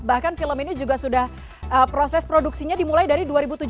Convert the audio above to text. bahkan film ini juga sudah proses produksinya dimulai dari dua ribu tujuh belas